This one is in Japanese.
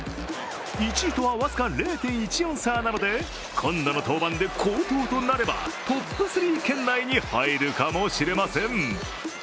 １位とは僅か０．１４差なので今度の登板で好投となればトップ３圏内に入るかもしれません。